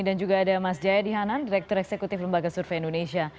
dan juga ada mas jaya dihanan direktur eksekutif lembaga survei indonesia